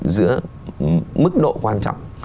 giữa mức độ quan trọng